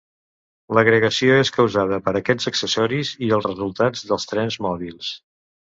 L'agregació és causada per aquests accessoris i els resultats dels trens mòbils.